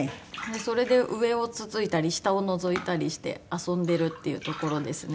それで上をつついたり下をのぞいたりして遊んでるっていうところですね。